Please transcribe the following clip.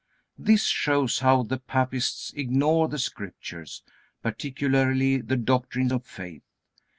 This shows how the papists ignore the Scriptures, particularly the doctrine of faith.